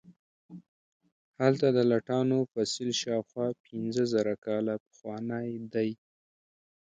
هلته د لټانو فسیل شاوخوا پنځه زره کاله پخوانی دی.